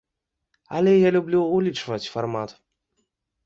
Але я люблю ўлічваць фармат.